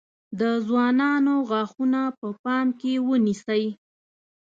د ځوانانو غاښونه په پام کې ونیسئ.